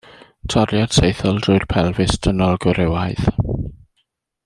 Toriad saethol drwy'r pelfis dynol gwrywaidd.